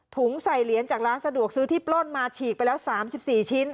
ใส่เหรียญจากร้านสะดวกซื้อที่ปล้นมาฉีกไปแล้ว๓๔ชิ้น